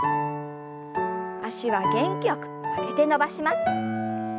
脚は元気よく曲げて伸ばします。